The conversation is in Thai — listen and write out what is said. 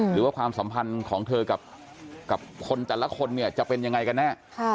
ความสัมพันธ์ของเธอกับคนแต่ละคนเนี่ยจะเป็นยังไงกันแน่